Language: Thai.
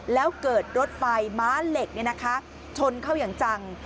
แล้วเกิดรถไฟม้าเหล็กชนเข้าอย่างจัง